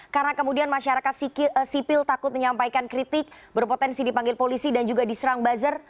karena kemudian masyarakat sipil takut menyampaikan kritik berpotensi dipanggil polisi dan juga diserang buzzer